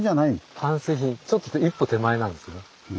完成品ちょっと一歩手前なんですね。